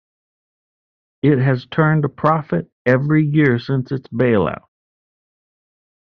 It has turned a profit every year since its bailout.